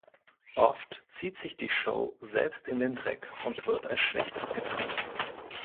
Oft zieht sich die Show selbst in den Dreck und wird als schlecht abgetan.